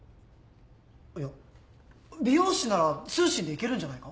いや美容師なら通信で行けるんじゃないか？